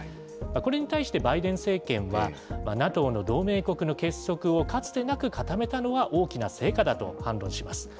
これに対してバイデン政権は、ＮＡＴＯの同盟国の結束をかつてなく固めたのは大きな成果だと反論します。